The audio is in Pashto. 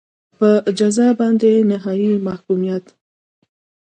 په جزا باندې نهایي محکومیت.